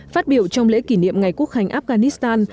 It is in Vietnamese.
phát biểu trong lễ kỷ niệm ngày quốc hành afghanistan